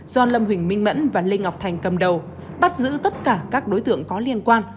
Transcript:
do lâm huỳnh minh mẫn và lê ngọc thành cầm đầu bắt giữ tất cả các đối tượng có liên quan